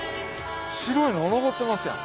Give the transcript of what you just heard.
白いの残ってますやん。